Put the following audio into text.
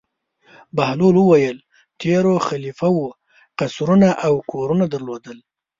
بهلول وویل: تېرو خلیفه وو قصرونه او کورونه درلودل.